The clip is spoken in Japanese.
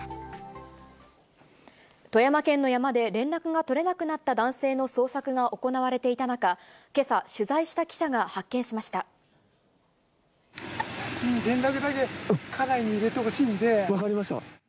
富山県の山で連絡が取れなくなった男性の捜索が行われていた中、けさ、取材した記者が発見し連絡だけ、家内に入れてほし分かりました。